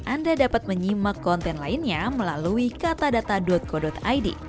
anda dapat menyimak konten lainnya melalui katadata co id